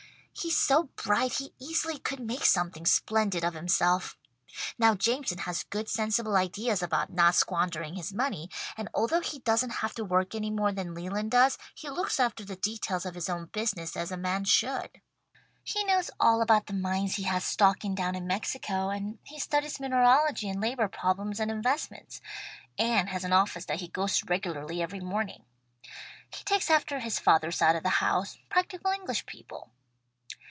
He's so bright he easily could make something splendid of himself. Now Jameson has good sensible ideas about not squandering his money, and although he doesn't have to work any more than Leland does, he looks after the details of his own business as a man should. "He knows all about the mines he has stock in down in Mexico, and he studies mineralogy and labour problems and investments, and has an office that he goes to regularly every morning. He takes after his father's side of the house, practical English people.